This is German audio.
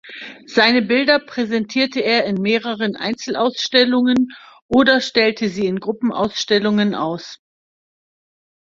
Seine Bilder präsentierte er in mehreren Einzelausstellungen oder stellte sie in Gruppenausstellungen aus.